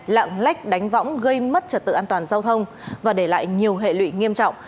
lạng lách đánh võng gây mất trật tự an toàn giao thông và để lại nhiều hệ lụy nghiêm trọng